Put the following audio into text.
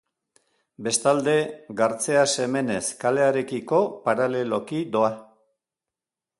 Bestalde, Gartzea Semenez kalearekiko paraleloki doa.